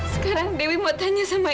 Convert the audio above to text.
sekarang dewi mau tanya sama